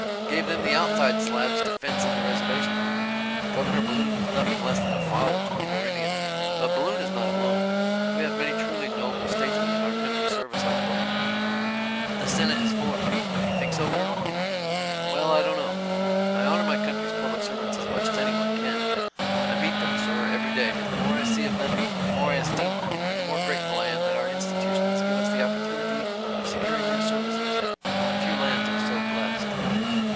"Gave them the outside slabs to fence in the reservation with. Governor Balloon was nothing less than a father to the poor Indians. But Balloon is not alone, we have many truly noble statesmen in our country's service like Balloon. The Senate is full of them. Don't you think so Colonel?" "Well, I dunno. I honor my country's public servants as much as any one can. I meet them, Sir, every day, and the more I see of them the more I esteem them and the more grateful I am that our institutions give us the opportunity of securing their services. Few lands are so blest."